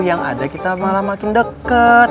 yang ada kita malah makin dekat